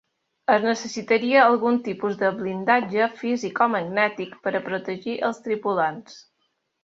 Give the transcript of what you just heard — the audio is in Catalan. Es necessitaria algun tipus de blindatge físic o magnètic per a protegir els tripulants.